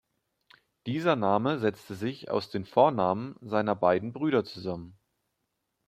Dieser Name setzte sich aus den Vornamen seiner beiden Brüder zusammen.